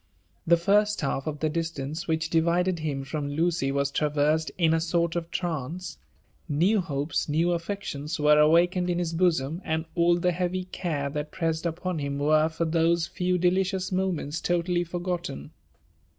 The first half of the distance which divided hm bom Ukcj waa traversed in a sort of trance : new hopes, new Atteclion$, were awakened in his bosom, aad all the heavy <^are ihat pressed upon him were for those few delieious moments totally fer^ gptte^.